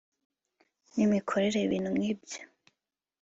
i ntimukore ibintu nk'ibyo